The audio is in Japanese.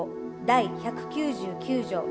第１９９条